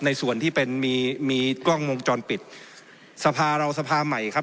ส่วนที่เป็นมีกล้องวงจรปิดสภาเราสภาใหม่ครับ